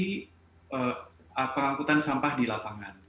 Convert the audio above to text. ini pengangkutan sampah di lapangan